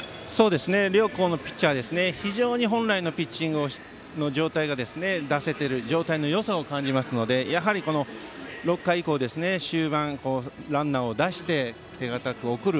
両校のピッチャーは本来のピッチングの状態が出せている状態のよさを感じますのでやはり、６回以降終盤、ランナーを出して手堅く送る。